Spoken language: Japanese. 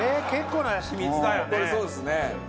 これそうですね。